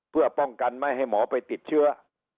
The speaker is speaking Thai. เพื่อป้องกันไม่ให้หมอไปติดเชื้อ